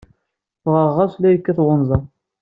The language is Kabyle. Ffɣeɣ ɣas la yekkat wenẓar.